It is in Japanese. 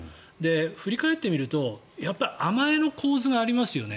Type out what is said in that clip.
振り返ってみると、やっぱり甘えの構図がありますよね。